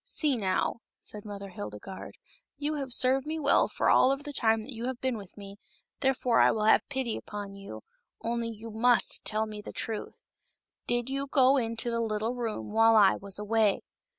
" See now," said Mother Hildegarde ;" you have served me well for all of the time that you have been with me, therefore I will have pity upon you, only you must tell me the truth. Did you go into the little room while I was away